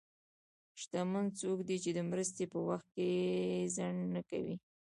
شتمن څوک دی چې د مرستې په وخت کې ځنډ نه کوي.